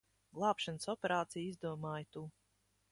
Glābšanas operāciju izdomāji tu.